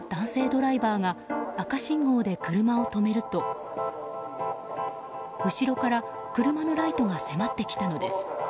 ドライバーが赤信号で車を止めると後ろから車のライトが迫ってきたのです。